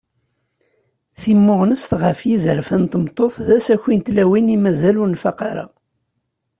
Timmuɣnest ɣef yizerfan n tmeṭṭut d asaki n tlawin i mazal ur nfaq ara.